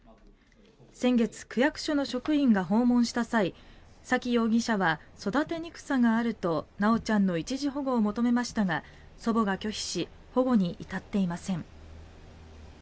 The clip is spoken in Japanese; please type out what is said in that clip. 先月、区役所の職員が訪問した際沙喜容疑者は育てにくさがあると修ちゃんの一時保護を求めましたが祖母が拒否し保護に至っていません。